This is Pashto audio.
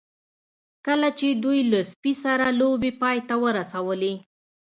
کله چې دوی له سپي سره لوبې پای ته ورسولې